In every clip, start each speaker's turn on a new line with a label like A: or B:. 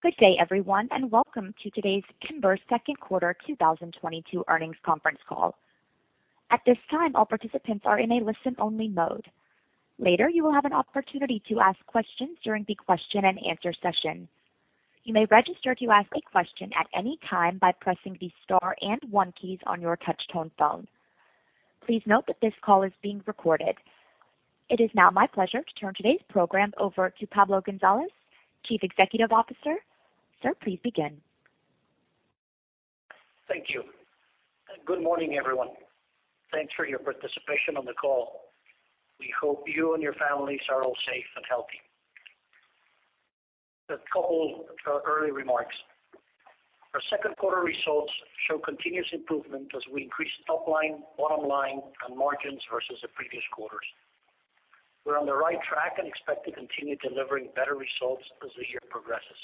A: Good day everyone, and welcome to today's Kimberly's Second Quarter 2022 Earnings Conference Call. At this time, all participants are in a listen-only mode. Later, you will have an opportunity to ask questions during the question and answer session. You may register to ask a question at any time by pressing the star and one keys on your touch tone phone. Please note that this call is being recorded. It is now my pleasure to turn today's program over to Pablo González, Chief Executive Officer. Sir, please begin.
B: Thank you. Good morning, everyone. Thanks for your participation on the call. We hope you and your families are all safe and healthy. A couple of early remarks. Our second quarter results show continuous improvement as we increase top line, bottom line and margins versus the previous quarters. We're on the right track and expect to continue delivering better results as the year progresses.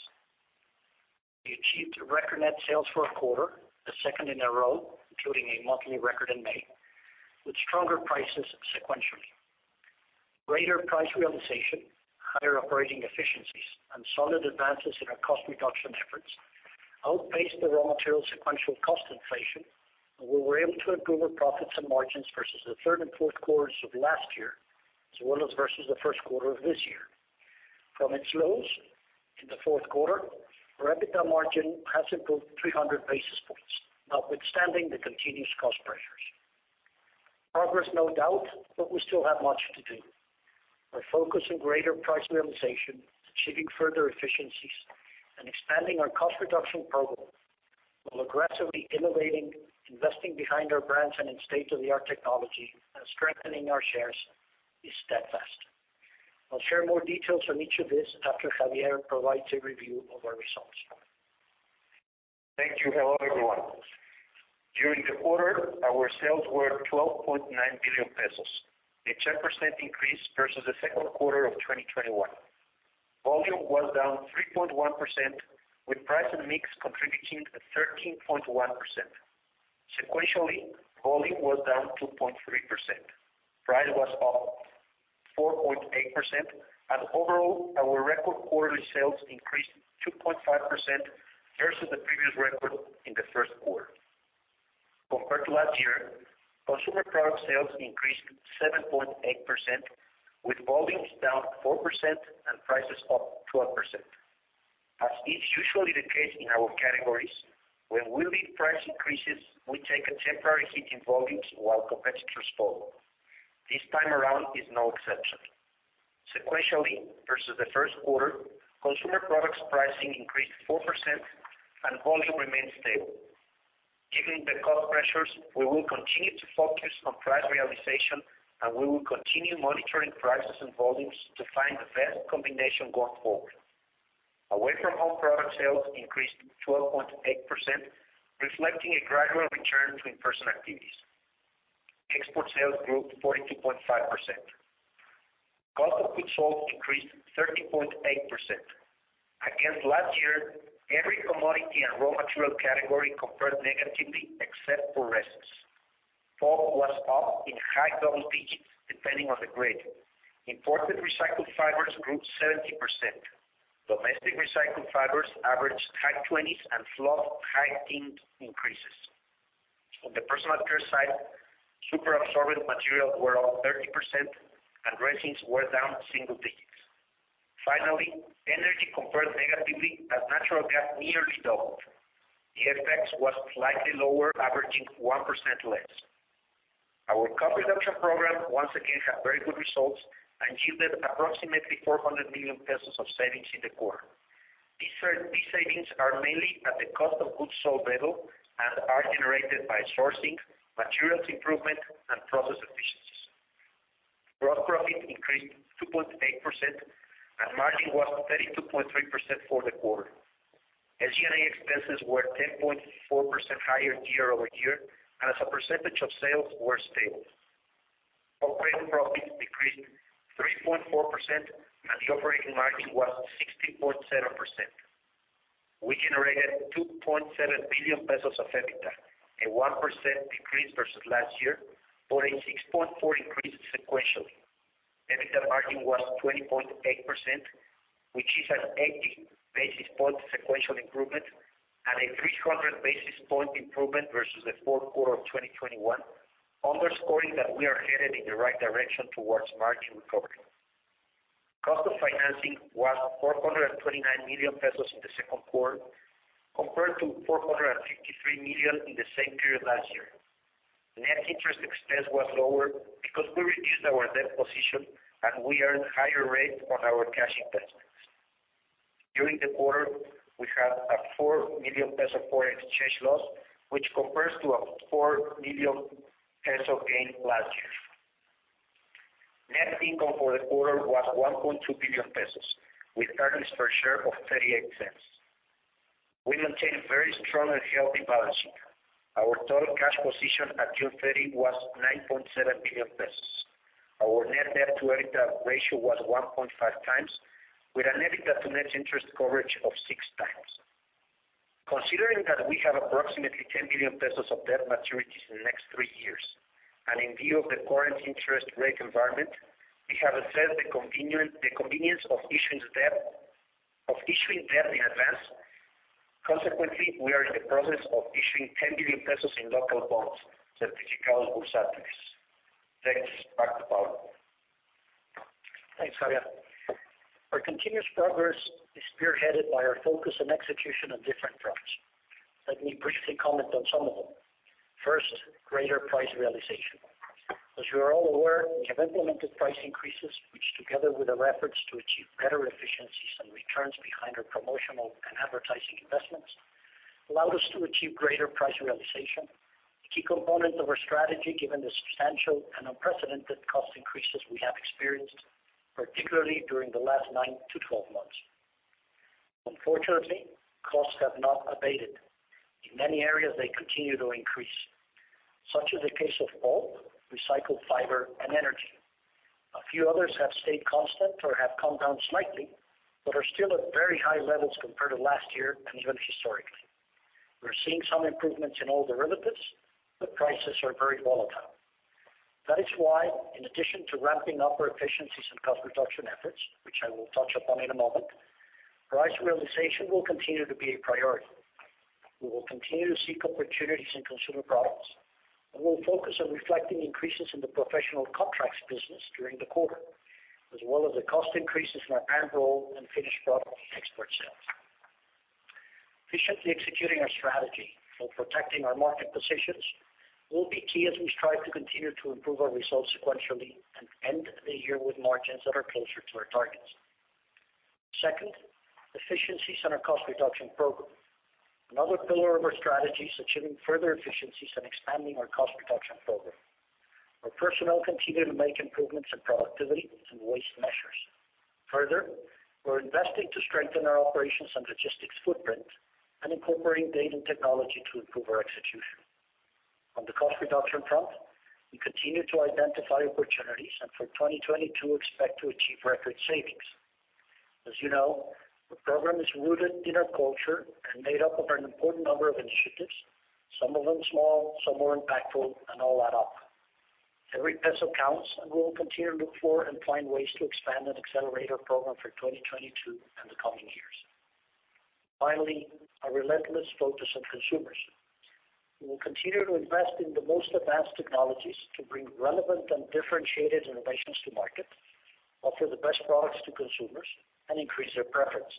B: We achieved record net sales for a quarter, the second in a row, including a monthly record in May, with stronger prices sequentially. Greater price realization, higher operating efficiencies and solid advances in our cost reduction efforts outpaced the raw material sequential cost inflation, and we were able to improve our profits and margins versus the third and fourth quarters of last year, as well as versus the first quarter of this year. From its lows in the fourth quarter, our EBITDA margin has improved 300 basis points, notwithstanding the continuous cost pressures. Progress, no doubt, but we still have much to do. Our focus on greater price realization, achieving further efficiencies, and expanding our cost reduction program while aggressively innovating, investing behind our brands and in state-of-the-art technology and strengthening our shares is steadfast. I'll share more details on each of these after Xavier provides a review of our results.
C: Thank you. Hello, everyone. During the quarter, our sales were 12.9 billion pesos, a 10% increase versus the second quarter of 2021. Volume was down 3.1%, with price and mix contributing 13.1%. Sequentially, volume was down 2.3%. Price was up 4.8%. Overall, our record quarterly sales increased 2.5% versus the previous record in the first quarter. Compared to last year, consumer product sales increased 7.8%, with volumes down 4% and prices up 12%. As is usually the case in our categories, when we lead price increases, we take a temporary hit in volumes while competitors follow. This time around is no exception. Sequentially, versus the first quarter, consumer products pricing increased 4% and volume remained stable. Given the cost pressures, we will continue to focus on price realization, and we will continue monitoring prices and volumes to find the best combination going forward. Away from home product sales increased 12.8%, reflecting a gradual return to in-person activities. Export sales grew 42.5%. Cost of goods sold increased 13.8%. Against last year, every commodity and raw material category compared negatively except for resins. Pulp was up in high double digits, depending on the grade. Imported recycled fibers grew 70%. Domestic recycled fibers averaged high 20s, and fluff high teens increases. On the personal care side, super absorbent material were up 30% and resins were down single digits. Finally, energy compared negatively as natural gas nearly doubled. The FX was slightly lower, averaging 1% less. Our cost reduction program once again had very good results and yielded approximately 400 million pesos of savings in the quarter. These savings are mainly at the cost of goods sold level and are generated by sourcing, materials improvement and process efficiencies. Gross profit increased 2.8%, and margin was 32.3% for the quarter. SG&A expenses were 10.4% higher year-over-year, and as a percentage of sales were stable. Operating profits decreased 3.4% and the operating margin was 16.0%. We generated 2.7 billion pesos of EBITDA, a 1% decrease versus last year, but a 6.4% increase sequentially. EBITDA margin was 20.8%, which is an 80 basis points sequential improvement and a 300 basis points improvement versus the fourth quarter of 2021, underscoring that we are headed in the right direction towards margin recovery. Cost of financing was 429 million pesos in the second quarter, compared to 453 million in the same period last year. Net interest expense was lower because we reduced our debt position and we earned higher rate on our cash investments. During the quarter, we had a 4 million peso foreign exchange loss, which compares to a 4 million peso gain last year. Net income for the quarter was 1.2 billion pesos, with earnings per share of 0.38. We maintain a very strong and healthy balance sheet. Our total cash position at June 30 was 9.7 billion pesos. Our Net Debt to EBITDA ratio was 1.5x, with an EBITDA to net interest coverage of 6x. Given that we have approximately 10 billion pesos of debt maturities in the next three years, and in view of the current interest rate environment, we have assessed the convenience of issuing debt in advance. Consequently, we are in the process of issuing 10 billion pesos in local bonds, certificates. Thanks. Back to Pablo.
B: Thanks, Xavier. Our continuous progress is spearheaded by our focus on execution on different fronts. Let me briefly comment on some of them. First, greater price realization. As you are all aware, we have implemented price increases, which together with our efforts to achieve better efficiencies and returns behind our promotional and advertising investments, allowed us to achieve greater price realization, a key component of our strategy, given the substantial and unprecedented cost increases we have experienced, particularly during the last nine to 12 months. Unfortunately, costs have not abated. In many areas, they continue to increase. Such is the case of pulp, recycled fiber and energy. A few others have stayed constant or have come down slightly, but are still at very high levels compared to last year and even historically. We're seeing some improvements in oil derivatives, but prices are very volatile. That is why, in addition to ramping up our efficiencies and cost reduction efforts, which I will touch upon in a moment, price realization will continue to be a priority. We will continue to seek opportunities in consumer products, and we'll focus on reflecting increases in the professional contracts business during the quarter, as well as the cost increases in our parent roll and finished product export sales. Efficiently executing our strategy while protecting our market positions will be key as we strive to continue to improve our results sequentially and end the year with margins that are closer to our targets. Second, efficiencies on our cost reduction program. Another pillar of our strategy is achieving further efficiencies and expanding our cost reduction program. Our personnel continue to make improvements in productivity and waste measures. Further, we're investing to strengthen our operations and logistics footprint and incorporating data technology to improve our execution. On the cost reduction front, we continue to identify opportunities, and for 2022 expect to achieve record savings. As you know, the program is rooted in our culture and made up of an important number of initiatives, some of them small, some more impactful and all add up. Every peso counts, and we will continue to look for and find ways to expand and accelerate our program for 2022 and the coming years. Finally, our relentless focus on consumers. We will continue to invest in the most advanced technologies to bring relevant and differentiated innovations to market, offer the best products to consumers and increase their preference.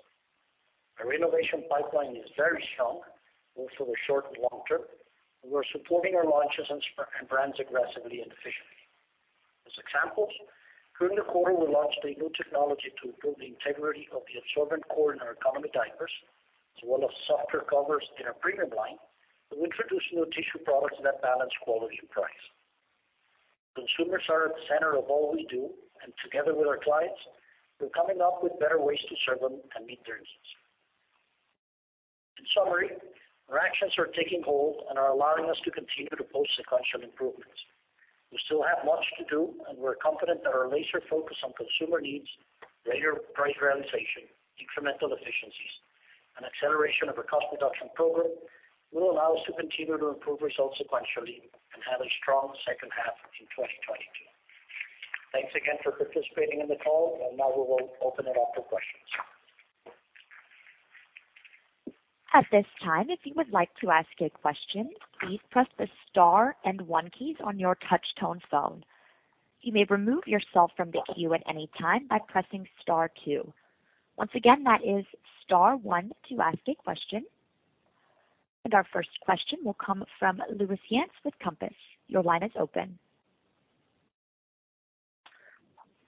B: Our innovation pipeline is very strong, both for the short and long term, and we're supporting our launches and brands aggressively and efficiently. As examples, during the quarter, we launched a new technology to improve the integrity of the absorbent core in our economy diapers, as well as softer covers in our premium line. We introduced new tissue products that balance quality and price. Consumers are at the center of all we do, and together with our clients, we're coming up with better ways to serve them and meet their needs. In summary, our actions are taking hold and are allowing us to continue to post sequential improvements. We still have much to do, and we're confident that our laser focus on consumer needs, greater price realization, incremental efficiencies, and acceleration of our cost reduction program will allow us to continue to improve results sequentially and have a strong second half in 2022. Thanks again for participating in the call. Now we will open it up for questions.
A: At this time, if you would like to ask a question, please press the star and one keys on your touch tone phone. You may remove yourself from the queue at any time by pressing star two. Once again, that is star one to ask a question. Our first question will come from Luis Yance with Compass. Your line is open.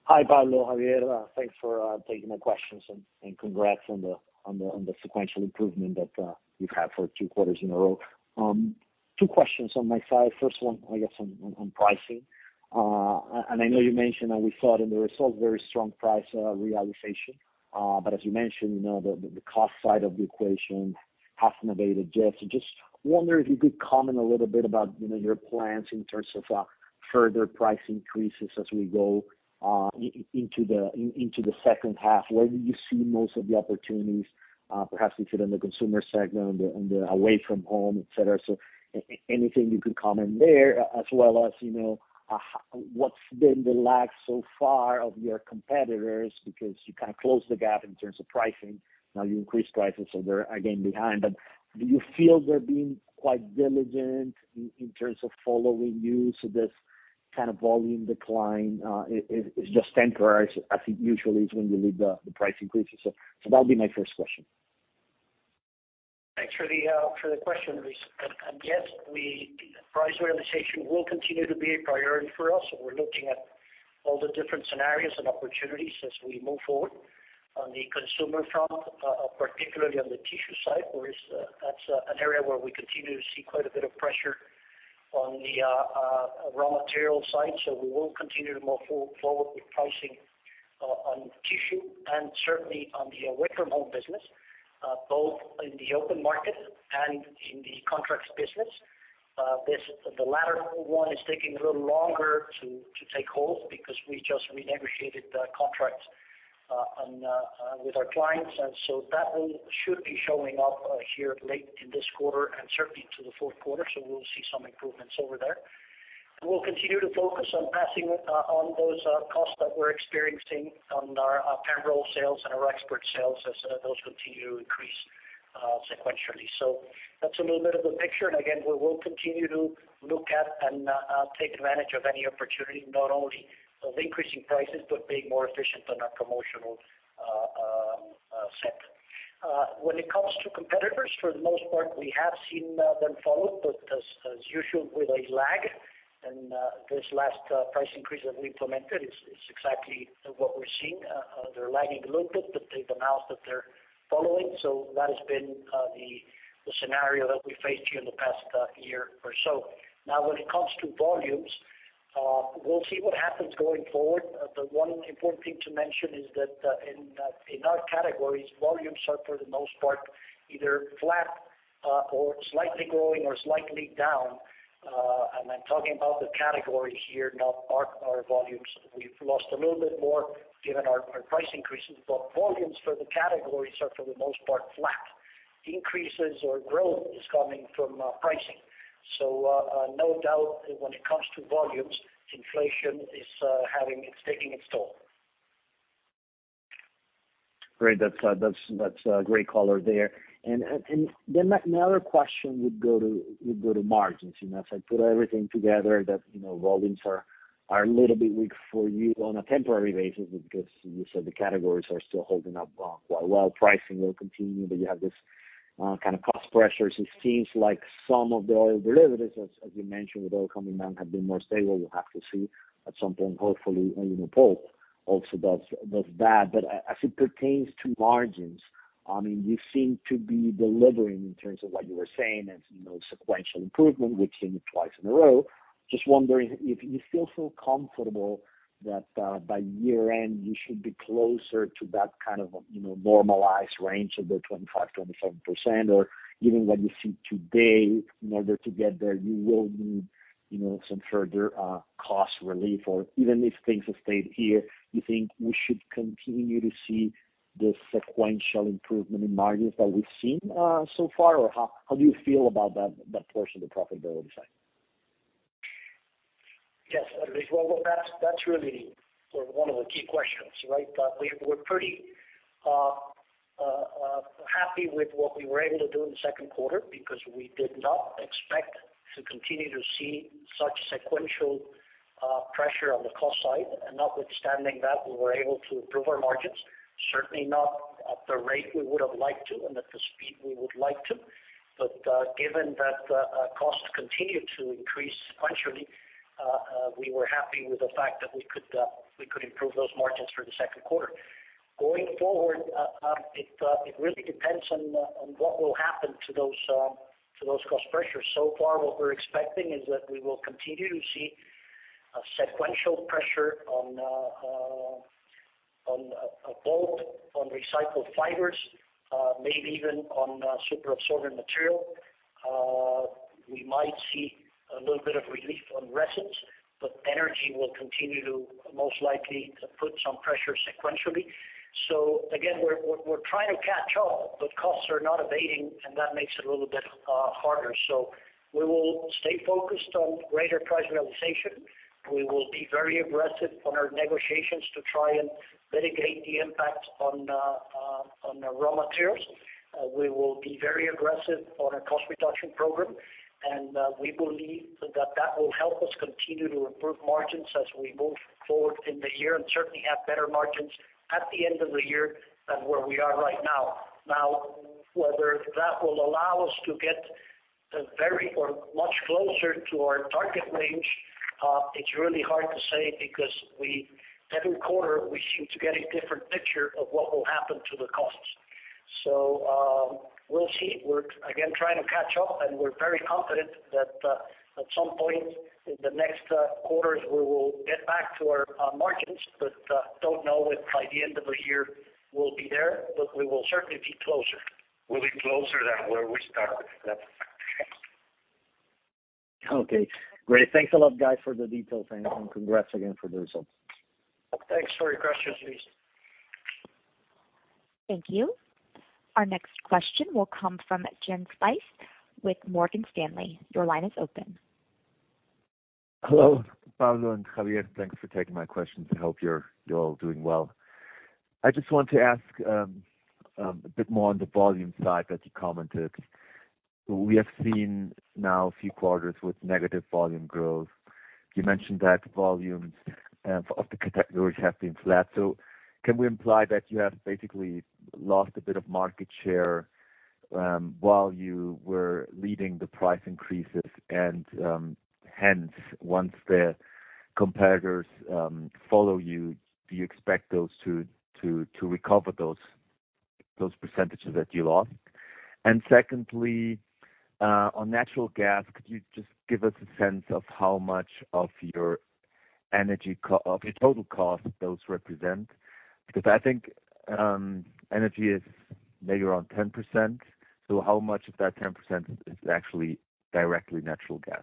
D: Hi, Pablo, Xavier. Thanks for taking my questions and congrats on the sequential improvement that you've had for two quarters in a row. Two questions on my side. First one, I guess on pricing. I know you mentioned that we saw it in the results, very strong price realization. But as you mentioned, you know, the cost side of the equation hasn't abated just. Just wonder if you could comment a little bit about, you know, your plans in terms of further price increases as we go into the second half. Where do you see most of the opportunities? Perhaps if you're in the consumer segment, on the away from home, et cetera. Anything you can comment there, as well as, you know, what's been the lag so far of your competitors, because you kind of closed the gap in terms of pricing. Now you increase pricing, so they're again behind. But do you feel they're being quite diligent in terms of following you? This kind of volume decline is just temporary as it usually is when you lead the price increases. That'll be my first question.
B: Thanks for the question, Luis. Yes, price realization will continue to be a priority for us, and we're looking at all the different scenarios and opportunities as we move forward. On the consumer front, particularly on the tissue side, where that's an area where we continue to see quite a bit of pressure on the raw material side. We will continue to move forward with pricing on tissue and certainly on the away from home business, both in the open market and in the contracts business. The latter one is taking a little longer to take hold because we just renegotiated the contracts with our clients. That should be showing up here late in this quarter and certainly into the fourth quarter. We'll see some improvements over there. We'll continue to focus on passing on those costs that we're experiencing on our parent roll sales and our export sales as those continue to increase sequentially. That's a little bit of the picture. Again, we will continue to look at and take advantage of any opportunity, not only of increasing prices, but being more efficient on our promotional set. When it comes to competitors, for the most part, we have seen them follow, but as usual with a lag. This last price increase that we implemented is exactly what we're seeing. They're lagging a little bit, but they've announced that they're following. That has been the scenario that we faced here in the past year or so. Now, when it comes to volumes, we'll see what happens going forward. The one important thing to mention is that in our categories, volumes are, for the most part, either flat or slightly growing or slightly down. I'm talking about the category here, not our volumes. We've lost a little bit more given our price increases, but volumes for the categories are, for the most part, flat. Increases or growth is coming from pricing. No doubt when it comes to volumes, inflation is taking its toll.
D: Great. That's a great color there. My other question would go to margins. You know, if I put everything together that, you know, volumes are a little bit weak for you on a temporary basis because you said the categories are still holding up quite well. Pricing will continue, but you have this kind of cost pressures. It seems like some of the oil derivatives, as you mentioned, with oil coming down, have been more stable. We'll have to see at some point, hopefully, you know, pulp also does that. As it pertains to margins, I mean, you seem to be delivering in terms of what you were saying, you know, sequential improvement, we've seen it twice in a row. Just wondering if you feel so comfortable that, by year-end, you should be closer to that kind of, you know, normalized range of the 25% to 27%, or given what you see today, in order to get there, you will need, you know, some further cost relief. Or even if things have stayed here, you think we should continue to see the sequential improvement in margins that we've seen so far? Or how do you feel about that portion of the profitability side?
B: Yes. Well, that's really sort of one of the key questions, right? We're pretty happy with what we were able to do in the second quarter because we did not expect to continue to see such sequential pressure on the cost side. Notwithstanding that, we were able to improve our margins, certainly not at the rate we would have liked to and at the speed we would like to. Given that costs continue to increase sequentially, we were happy with the fact that we could improve those margins for the second quarter. Going forward, it really depends on what will happen to those cost pressures. So far, what we're expecting is that we will continue to see a sequential pressure on both recycled fibers, maybe even on super absorbent material. We might see a little bit of relief on resins, but energy will continue to most likely put some pressure sequentially. Again, we're trying to catch up, but costs are not abating, and that makes it a little bit harder. We will stay focused on greater price realization. We will be very aggressive on our negotiations to try and mitigate the impact on the raw materials. We will be very aggressive on our cost reduction program, and we believe that that will help us continue to improve margins as we move forward in the year and certainly have better margins at the end of the year than where we are right now. Now, whether that will allow us to get very or much closer to our target range, it's really hard to say because we every quarter we seem to get a different picture of what will happen to the costs. We'll see. We're again trying to catch up, and we're very confident that at some point in the next quarters, we will get back to our margins. Don't know if by the end of the year we'll be there, but we will certainly be closer.
C: We'll be closer than where we started. That's a fact.
D: Okay. Great. Thanks a lot, guys, for the details, and congrats again for the results.
B: Thanks for your questions, Luis.
A: Thank you. Our next question will come from Jens Spiess with Morgan Stanley. Your line is open.
E: Hello, Pablo and Xavier. Thanks for taking my questions. I hope you're doing well. I just want to ask a bit more on the volume side that you commented. We have seen now a few quarters with negative volume growth. You mentioned that volumes of the categories have been flat. Can we imply that you have basically lost a bit of market share while you were leading the price increases? Hence, once the competitors follow you, do you expect those to recover those percentages that you lost? Secondly, on natural gas, could you just give us a sense of how much of your total cost those represent? Because I think energy is maybe around 10%, so how much of that 10% is actually directly natural gas?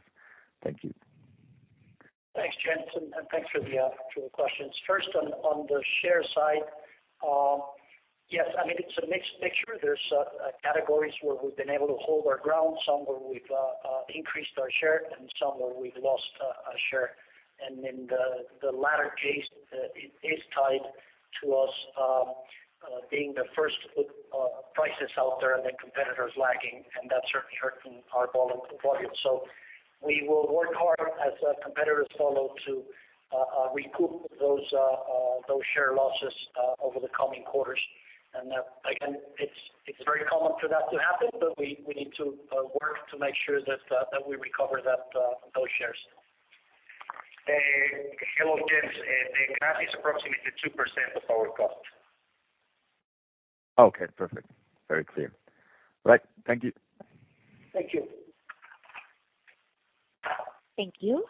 E: Thank you.
B: Thanks, Jem, and thanks for the two questions. First, on the share side, yes, I mean, it's a mixed picture. There's categories where we've been able to hold our ground, some where we've increased our share and some where we've lost a share. In the latter case, it is tied to us being the first to put prices out there and the competitors lagging, and that's certainly hurting our volume. We will work hard as competitors follow to recoup those share losses over the coming quarters. Again, it's very common for that to happen, but we need to work to make sure that we recover those shares.
C: Hello, Jem. The gas is approximately 2% of our cost.
E: Okay. Perfect. Very clear. All right, thank you.
B: Thank you.
A: Thank you.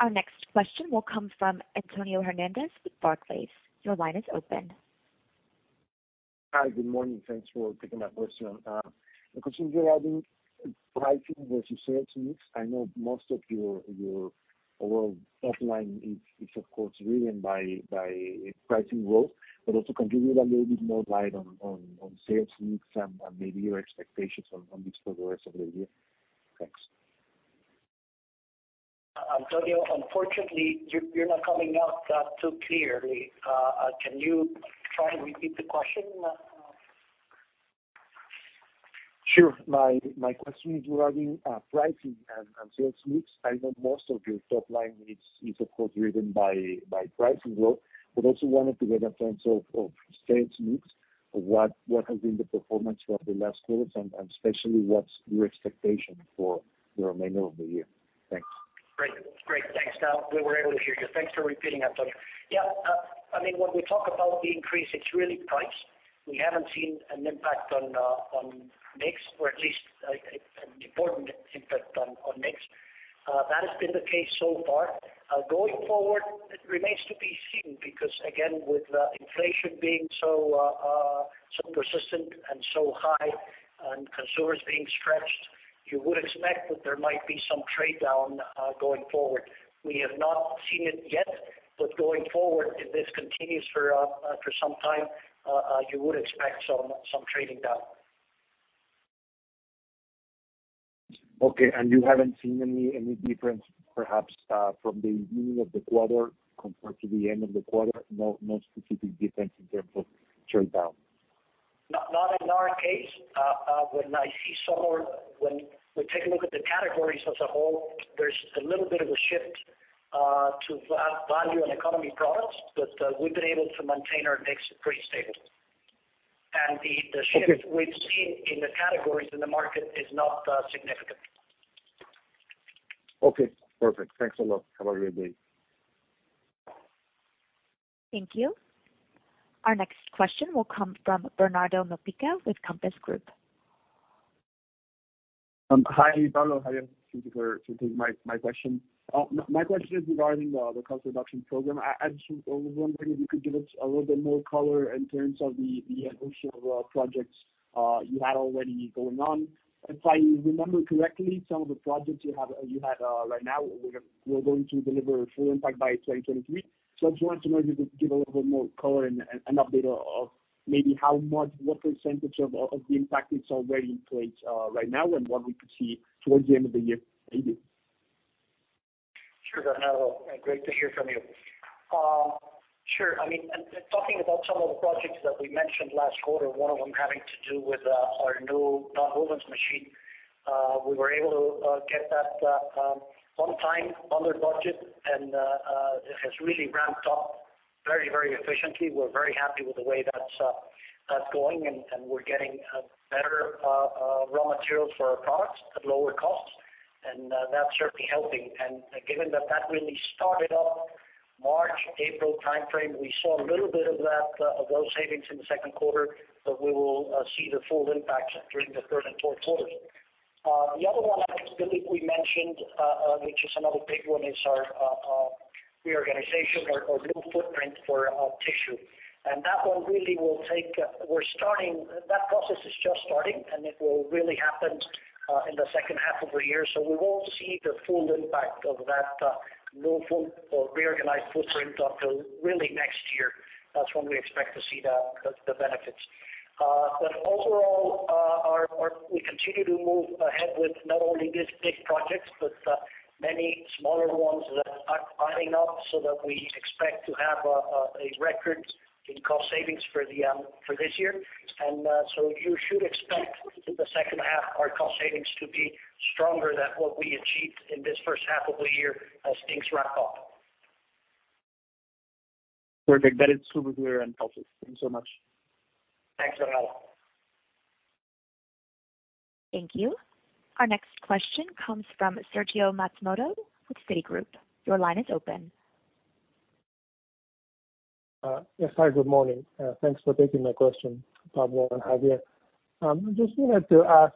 A: Our next question will come from Antonio Hernandez with Barclays. Your line is open.
F: Hi. Good morning. Thanks for taking my question. The question regarding pricing versus sales mix, I know most of your overall top line is of course driven by pricing growth, but also can you give me a little bit more light on sales mix and maybe your expectations on this for the rest of the year? Thanks.
B: Antonio, unfortunately, you're not coming out too clearly. Can you try and repeat the question?
F: Sure. My question is regarding pricing and sales mix. I know most of your top line is of course driven by pricing growth, but also wanted to get a sense of sales mix. What has been the performance for the last quarters and especially what's your expectation for the remainder of the year? Thanks.
B: Great. Thanks. Now we were able to hear you. Thanks for repeating, Antonio. Yeah. I mean, when we talk about the increase, it's really price. We haven't seen an impact on mix or at least an important impact on mix. That has been the case so far. Going forward, it remains to be seen because, again, with inflation being so persistent and so high and consumers being stretched, you would expect that there might be some trade down going forward. We have not seen it yet, but going forward, if this continues for some time, you would expect some trading down.
F: Okay. You haven't seen any difference perhaps from the beginning of the quarter compared to the end of the quarter, no specific difference in terms of trade down?
B: Not in our case. When I see some or when we take a look at the categories as a whole, there's a little bit of a shift to value and economy products, but we've been able to maintain our mix pretty stable. Shift we've seen in the categories in the market is not significant.
F: Okay. Perfect. Thanks a lot. Have a great day.
A: Thank you. Our next question will come from Bernardo Malpica with Compass Group.
G: Hi, Pablo. Hi, thank you for taking my question. My question is regarding the cost reduction program. I just was wondering if you could give us a little bit more color in terms of the initial projects you had already going on. If I remember correctly, some of the projects you had right now were going to deliver full impact by 2023. I just wanted to know if you could give a little bit more color and an update of maybe how much, what percentage of the impact is already in place right now and what we could see towards the end of the year. Thank you.
B: Sure, Bernardo. Great to hear from you. Sure. I mean, talking about some of the projects that we mentioned last quarter, one of them having to do with our new nonwovens machine, we were able to get that on time, under budget, and it has really ramped up very efficiently. We're very happy with the way that's going, and we're getting better raw materials for our products at lower costs, and that's certainly helping. Given that that really started up March, April timeframe, we saw a little bit of that of those savings in the second quarter, but we will see the full impact during the current quarter. The other one I believe we mentioned, which is another big one, is our reorganization, our new footprint for tissue. That one really will take. That process is just starting, and it will really happen in the second half of the year. We won't see the full impact of that new footprint or reorganized footprint until really next year. That's when we expect to see the benefits. Overall, we continue to move ahead with not only these big projects, but many smaller ones that are adding up so that we expect to have a record in cost savings for this year. You should expect in the second half our cost savings to be stronger than what we achieved in this first half of the year as things ramp up.
G: Perfect. That is super clear and helpful. Thanks so much.
B: Thanks, Bernardo.
A: Thank you. Our next question comes from Sergio Matsumoto with Citigroup. Your line is open.
H: Yes. Hi, good morning. Thanks for taking my question, Pablo and Xavier. Just wanted to ask,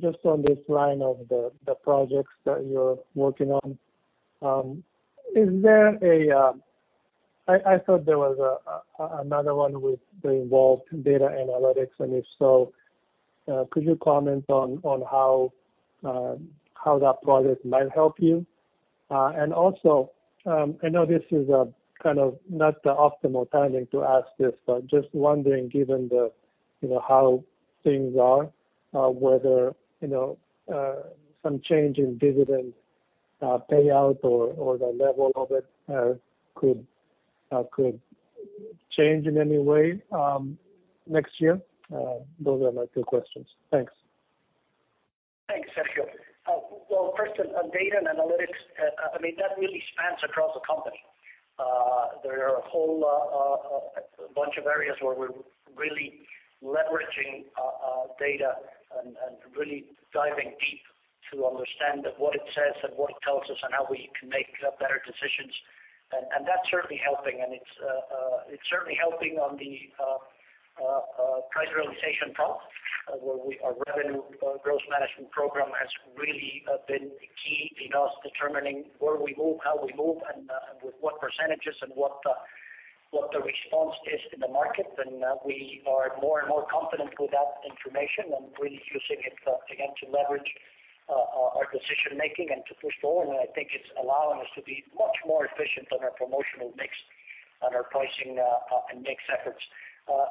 H: just on this line of the projects that you're working on, is there a? I thought there was another one involving data analytics, and if so, could you comment on how that project might help you? And also, I know this is kind of not the optimal timing to ask this, but just wondering, given the you know how things are, whether you know some change in dividend payout or the level of it could change in any way next year? Those are my two questions. Thanks.
B: Thanks, Sergio. Well, first on data and analytics. I mean, that really spans across the company. There are a whole bunch of areas where we're really leveraging data and really diving deep to understand what it says and what it tells us and how we can make better decisions. That's certainly helping. It's certainly helping on the price realization front, where our Revenue Growth Management program has really been key in us determining where we move, how we move, and with what percentages and what the response is in the market. We are more and more confident with that information and really using it again to leverage our decision making and to push forward. I think it's allowing us to be much more efficient on our promotional mix and our pricing, and mix efforts. Along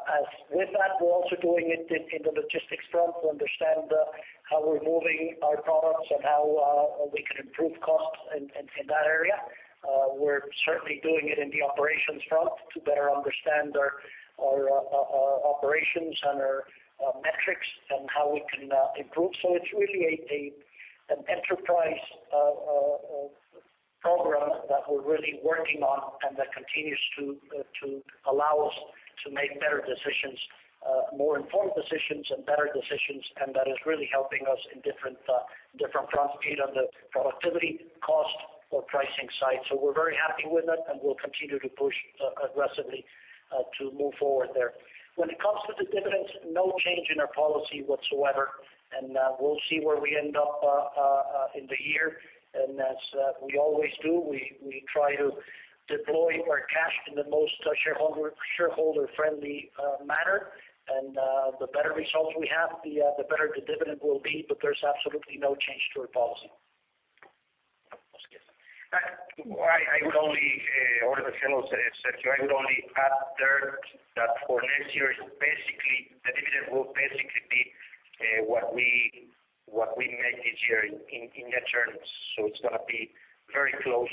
B: with that, we're also doing it in the logistics front to understand how we're moving our products and how we can improve costs in that area. We're certainly doing it in the operations front to better understand our operations and our metrics and how we can improve. It's really an enterprise program that we're really working on, and that continues to allow us to make better decisions, more informed decisions and better decisions. That is really helping us in different fronts, be it on the productivity, cost or pricing side. We're very happy with it, and we'll continue to push aggressively to move forward there. When it comes to the dividends, no change in our policy whatsoever. We'll see where we end up in the year. As we always do, we try to deploy our cash in the most shareholder friendly manner. The better results we have, the better the dividend will be. There's absolutely no change to our policy.
C: I would only add there that for next year, basically, the dividend will basically be what we make this year in net terms. It's gonna be very close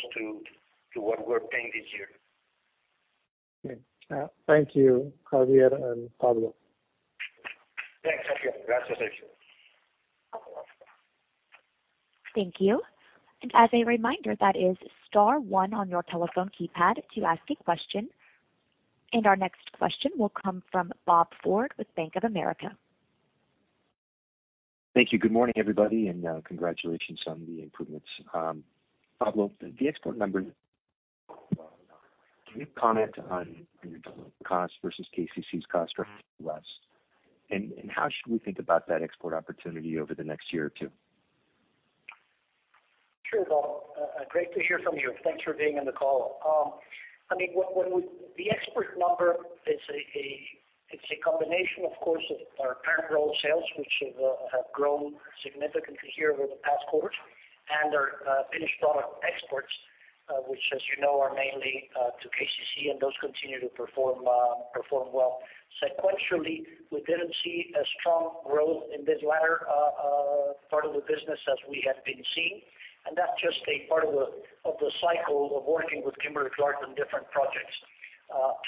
C: to what we're paying this year.
H: Okay. Thank you, Xavier and Pablo.
B: Thanks, Sergio.
C: Gracias, Sergio.
A: Thank you. As a reminder, that is star one on your telephone keypad to ask a question. Our next question will come from Bob Ford with Bank of America.
I: Thank you. Good morning, everybody, and congratulations on the improvements. Pablo, the export numbers. Can you comment on your cost versus KCC's cost structure less? How should we think about that export opportunity over the next year or two?
B: Sure, Bob. Great to hear from you. Thanks for being on the call. I mean, the export number is a combination, of course, of our parent roll sales, which have grown significantly here over the past quarter, and our finished product exports, which as you know, are mainly to KCC and those continue to perform well. Sequentially, we didn't see a strong growth in this latter part of the business as we had been seeing. That's just a part of the cycle of working with Kimberly-Clark on different projects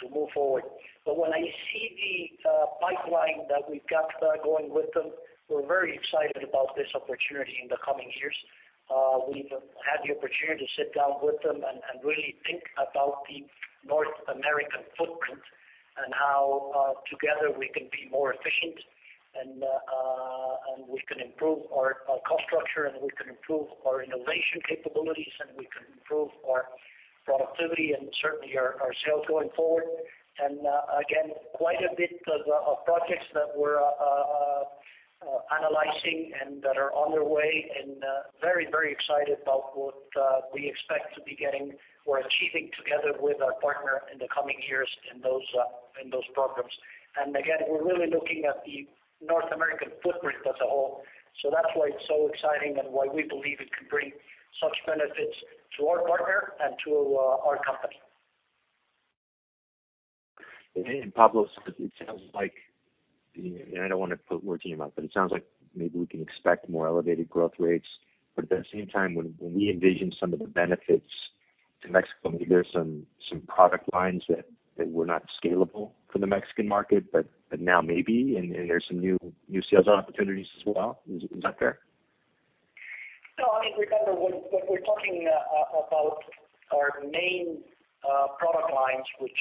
B: to move forward. When I see the pipeline that we've got going with them, we're very excited about this opportunity in the coming years. We've had the opportunity to sit down with them and really think about the North American footprint and how together we can be more efficient and we can improve our cost structure, and we can improve our innovation capabilities, and we can improve our productivity and certainly our sales going forward. Again, quite a bit of projects that we're analyzing and that are on their way and very excited about what we expect to be getting or achieving together with our partner in the coming years in those programs. Again, we're really looking at the North American footprint as a whole. That's why it's so exciting and why we believe it could bring such benefits to our partner and to our company.
I: Okay. Pablo, it sounds like, you know, I don't wanna put words in your mouth, but it sounds like maybe we can expect more elevated growth rates. At the same time, when we envision some of the benefits to Mexico, maybe there's some product lines that were not scalable for the Mexican market, but now maybe, and there's some new sales opportunities as well. Is that fair?
B: No. I mean, remember when we're talking about our main product lines, which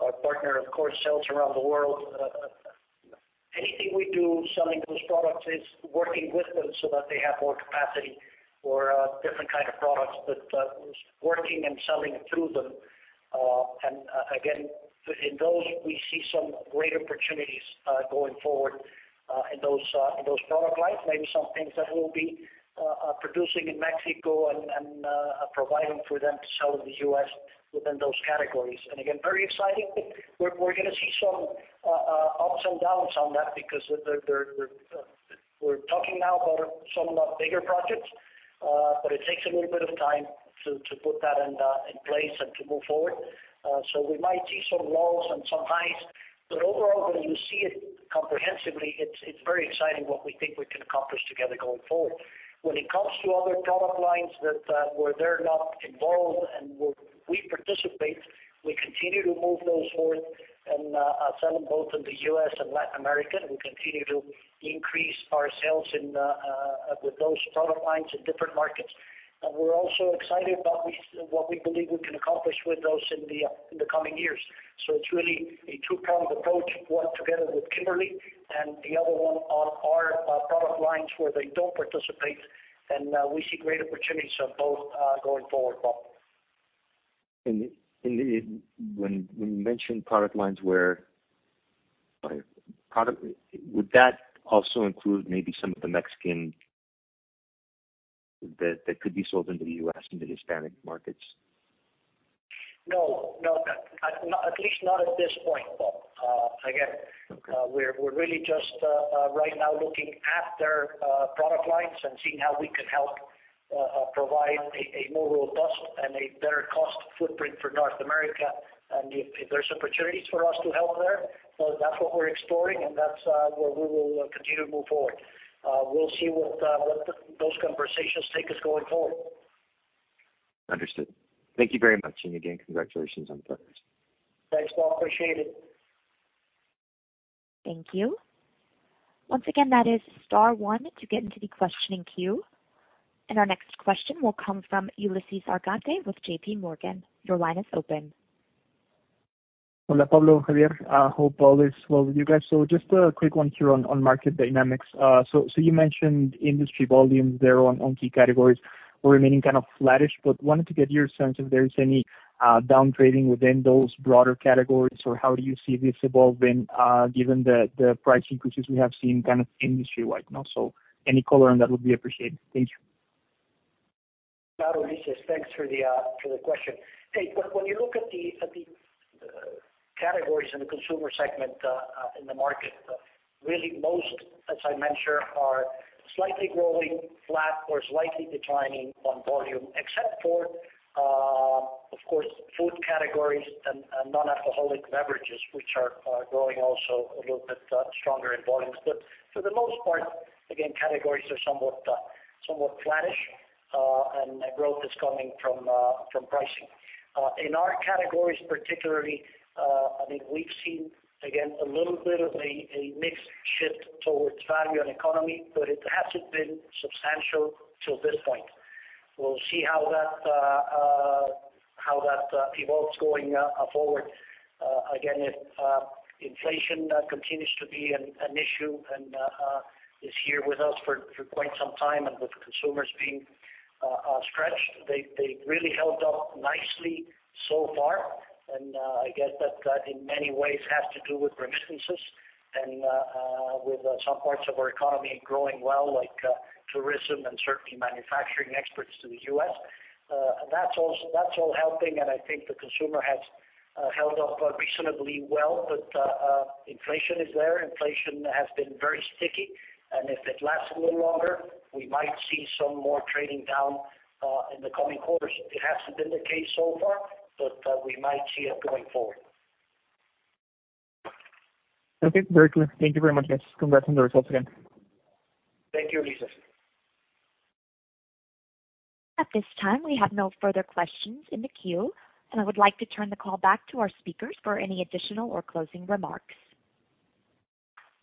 B: our partner of course sells around the world, anything we do selling those products is working with them so that they have more capacity for different kind of products, but working and selling through them. Again, in those, we see some great opportunities going forward in those product lines, maybe some things that we'll be producing in Mexico and providing for them to sell in the U.S. within those categories. Again, very exciting. We're gonna see some ups and downs on that because they're we're talking now about some of the bigger projects, but it takes a little bit of time to put that in place and to move forward. So we might see some lows and some highs, but overall, when you see it comprehensively, it's very exciting what we think we can accomplish together going forward. When it comes to other product lines where they're not involved and where we participate, we continue to move those forward and sell them both in the U.S. and Latin America. We continue to increase our sales in with those product lines in different markets. We're also excited about what we believe we can accomplish with those in the coming years. It's really a two-pronged approach, one together with Kimberly and the other one on our product lines where they don't participate. We see great opportunities on both going forward, Bob.
I: When you mention product lines, would that also include maybe some of the Mexican that could be sold into the U.S., into the Hispanic markets?
B: No. No, at least not at this point, Bob. Again, we're really just right now looking at their product lines and seeing how we can help provide a more robust and a better cost footprint for North America. If there's opportunities for us to help there, well, that's what we're exploring, and that's where we will continue to move forward. We'll see what those conversations take us going forward.
I: Understood. Thank you very much. Again, congratulations on the progress.
B: Thanks, Bob. Appreciate it.
A: Thank you. Once again, that is star one to get into the questioning queue. Our next question will come from Ulises Argote with JP Morgan. Your line is open.
J: Hola, Pablo, Xavier. Hope all is well with you guys. Just a quick one here on market dynamics. You mentioned industry volumes there on key categories were remaining kind of flattish, but wanted to get your sense if there is any down trading within those broader categories, or how do you see this evolving, given the price increases we have seen kind of industry-wide now? Any color on that would be appreciated. Thank you.
B: No, Ulises. Thanks for the question. Hey, when you look at the categories in the consumer segment in the market, really most, as I mentioned, are slightly growing flat or slightly declining on volume, except for, of course, food categories and non-alcoholic beverages, which are growing also a little bit stronger in volumes. For the most part, again, categories are somewhat flattish, and growth is coming from pricing. In our categories particularly, I think we've seen, again, a little bit of a mix shift towards value and economy, but it hasn't been substantial till this point. We'll see how that evolves going forward. Again, if inflation continues to be an issue and is here with us for quite some time, and with consumers being stretched, they've really held up nicely so far. I guess that in many ways has to do with remittances and with some parts of our economy growing well, like tourism and certainly manufacturing exports to the U.S. That's all helping, and I think the consumer has held up reasonably well. Inflation is there. Inflation has been very sticky, and if it lasts a little longer, we might see some more trading down in the coming quarters. It hasn't been the case so far, but we might see it going forward.
J: Okay. Very clear. Thank you very much, guys. Congrats on the results again.
B: Thank you, Ulises.
A: At this time, we have no further questions in the queue, and I would like to turn the call back to our speakers for any additional or closing remarks.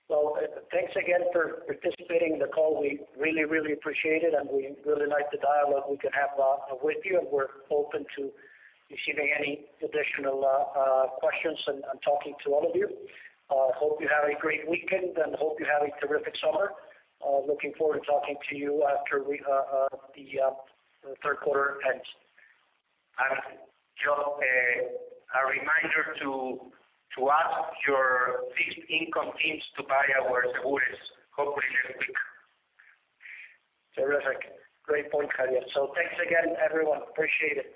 B: Well, thanks again for participating in the call. We really, really appreciate it, and we really like the dialogue we can have with you, and we're open to receiving any additional questions and talking to all of you. Hope you have a great weekend, and hope you have a terrific summer. Looking forward to talking to you after the third quarter ends.
C: Just a reminder to ask your fixed income teams to buy our Cebures, hopefully next week.
B: Terrific. Great point, Xavier. Thanks again, everyone. Appreciate it.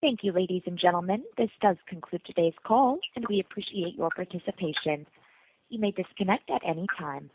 A: Thank you, ladies and gentlemen. This does conclude today's call, and we appreciate your participation. You may disconnect at any time.